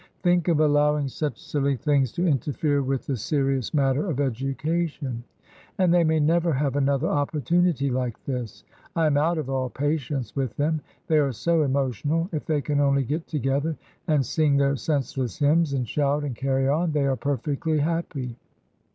Think of allowing such silly things to interfere with the serious matter of edu cation! And they may never have another opportunity like this. I am out of all patience with them ! They are so emotional! If they can only get together and sing their senseless hymns, and shout, and carry on, they are perfectly happy."